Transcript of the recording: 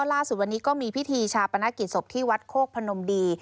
ล่าสุดวันนี้ก็มีพิธีชาปนกิจศพที่วัดโคกพนมดี